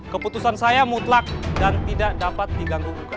keputusan saya mutlak dan tidak dapat diganggu